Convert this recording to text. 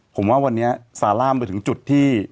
ผมว่าวันนี้ซาร่ามไปถึงจุดที่